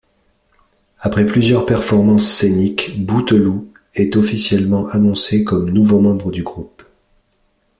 Après plusieurs performances scéniques, Bouteloup est officiellement annoncé comme nouveau membre du groupe.